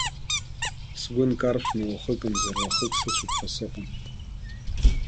Сгәы нкаршәны уахыкымзар уахык сыцәап ҳәа сыҟам.